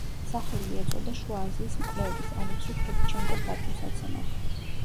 სახელი ეწოდა შუა აზიის მკვლევრის ალექსი ფედჩენკოს პატივსაცემად.